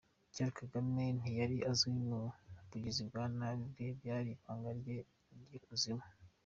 Cyera Kagame ntiyari azwi mu bugizi bwa nabi bwe byari ibanga rye ry’ikuzimu.